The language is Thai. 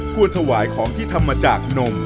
ควรถวายของที่ทำมาจากนม